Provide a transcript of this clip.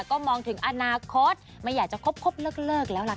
ก็มองถึงอนาคตไม่อยากจะคบเลิกแล้วล่ะค่ะ